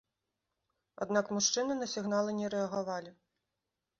Аднак мужчыны на сігналы не рэагавалі.